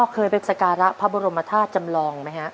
เคยไปสการะพระบรมธาตุจำลองไหมฮะ